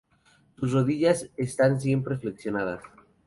Sus rodillas están siempre flexionadas.